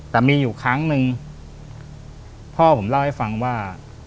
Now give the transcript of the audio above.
แต่มีอยู่ครั้งหนึ่งพ่อผมเล่าให้ฟังว่า